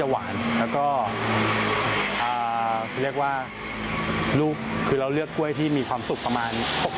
ให้ดีครับ